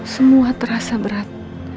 semua terasa berat